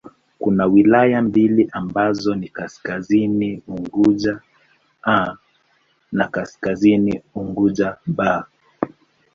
Kuna wilaya mbili ambazo ni Kaskazini Unguja 'A' na Kaskazini Unguja 'B'.